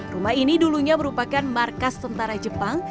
rumah ini dulunya merupakan markas tentara jepang